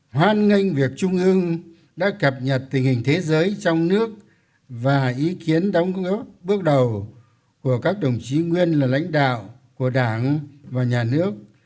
hoan nghênh việc trung ương đã cập nhật tình hình thế giới trong nước và ý kiến đóng góp bước đầu của các đồng chí nguyên là lãnh đạo của đảng và nhà nước